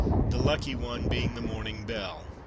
" the lucky one being the morning belle.